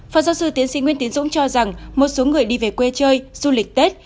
phó giáo sư tiến sĩ nguyễn tiến dũng cho rằng một số người đi về quê chơi du lịch tết